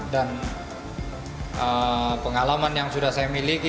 dan pengalaman yang sudah saya miliki